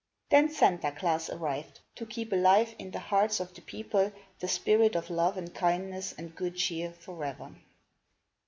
Then Santa Klaas arrived, to keep alive in the hearts of the people the spirit of love and kindness and good cheer forever.